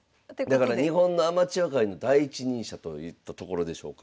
だから日本のアマチュア界の第一人者といったところでしょうか。